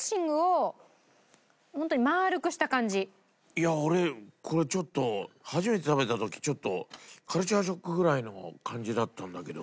いや俺これちょっと初めて食べた時ちょっとカルチャーショックぐらいの感じだったんだけど。